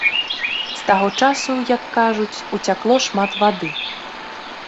З таго часу, як кажуць, уцякло шмат вады.